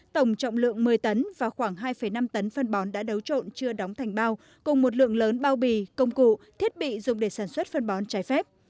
tổng trọng lượng một mươi tấn và khoảng hai năm tấn phân bón đã đấu trộn chưa đóng thành bao cùng một lượng lớn bao bì công cụ thiết bị dùng để sản xuất phân bón trái phép